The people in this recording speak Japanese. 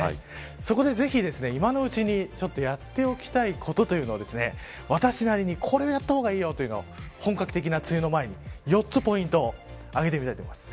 そこで、ぜひ、今のうちにやっておきたいことというのを私なりに、これをやった方がいいよというのを本格的な梅雨の前に４つポイントをあげてみたいと思います。